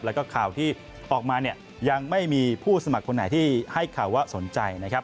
แล้วก็ข่าวที่ออกมาเนี่ยยังไม่มีผู้สมัครคนไหนที่ให้ข่าวว่าสนใจนะครับ